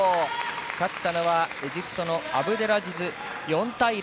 勝ったのはエジプトのアブデラジズ、４対０。